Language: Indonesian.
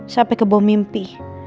sampai ke bawah mimpi